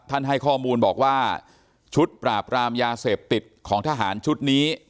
ให้ข้อมูลบอกว่าชุดปราบรามยาเสพติดของทหารชุดนี้